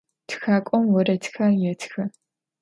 Txak'om voredxer yêtxı.